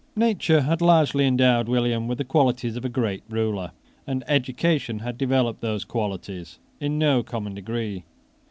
Nature had largely endowed William with the qualities of a great ruler; and education had developed those qualities in no common degree.